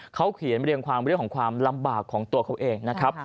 เขาเขียนเรียงความเรื่องของความลำบากของตัวเขาเองนะครับ